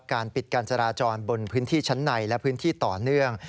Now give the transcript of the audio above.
การปิดการจราจรบนพื้นที่ชั้นในและพื้นที่ต่อเนื่อง